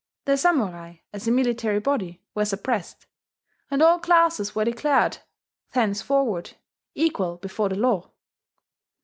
The samurai, as a military body, were suppressed; and all classes were declared thenceforward equal before the law.